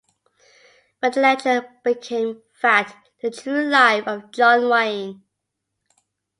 When the Legend Became Fact - The True Life of John Wayne.